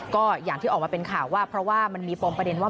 ก็อย่างที่ออกมาเป็นข่าวว่าเพราะว่ามันมีปมประเด็นว่า